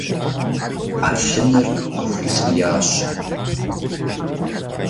Ӏэлъыныр къыхуишиящ.